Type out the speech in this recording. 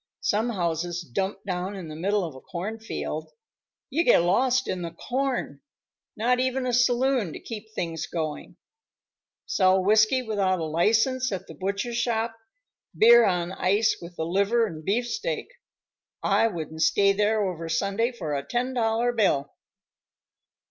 Some houses dumped down in the middle of a cornfield. You get lost in the corn. Not even a saloon to keep things going; sell whiskey without a license at the butcher shop, beer on ice with the liver and beefsteak. I wouldn't stay there over Sunday for a ten dollar bill."